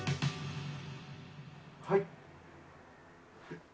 はい！